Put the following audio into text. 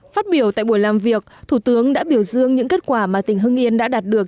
phát biểu tại buổi làm việc thủ tướng đã biểu dương những kết quả mà tỉnh hưng yên đã đạt được